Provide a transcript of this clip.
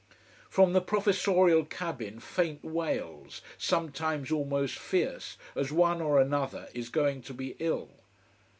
From the professorial cabin faint wails, sometimes almost fierce, as one or another is going to be ill.